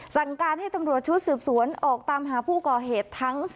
สั่งการให้ตำรวจชุดสืบสวนออกตามหาผู้ก่อเหตุทั้ง๔